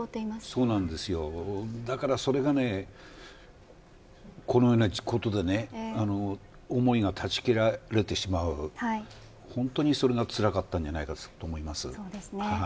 そうなんです、だからそれがこのようなことで思いが断ち切られてしまう本当にそれがつらかったのではないかと思います。